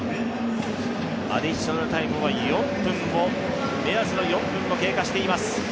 アディショナルタイムは目安の４分を経過しています。